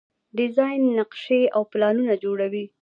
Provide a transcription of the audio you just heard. ډیزاین نقشې او پلانونه جوړوي.